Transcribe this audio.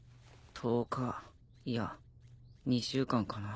１０日いや２週間かな。